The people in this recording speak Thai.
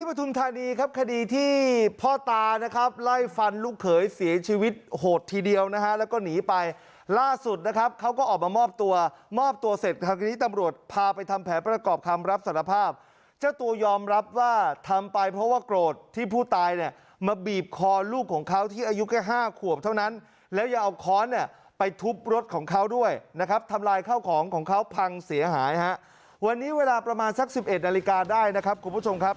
ทุกคนค่ะทุกคนค่ะทุกคนค่ะทุกคนค่ะทุกคนค่ะทุกคนค่ะทุกคนค่ะทุกคนค่ะทุกคนค่ะทุกคนค่ะทุกคนค่ะทุกคนค่ะทุกคนค่ะทุกคนค่ะทุกคนค่ะทุกคนค่ะทุกคนค่ะทุกคนค่ะทุกคนค่ะทุกคนค่ะทุกคนค่ะทุกคนค่ะทุกคนค่ะทุกคนค่ะทุกคนค่ะทุกคนค่ะทุกคนค่ะทุกคนค่ะ